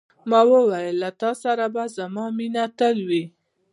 ما وویل، له تا سره به زما مینه تل وي.